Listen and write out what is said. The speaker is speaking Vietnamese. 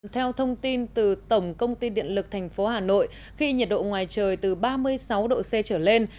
theo thông tin từ tổng công ty điện lực tp hà nội khi nhiệt độ ngoài trời từ ba mươi sáu độ c trở lên